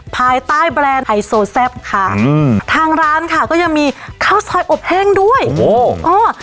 ภายใต้แบรนด์ไฮโซแซ่บค่ะอืมทางร้านค่ะก็ยังมีข้าวซอยอบแห้งด้วยโอ้โหเออ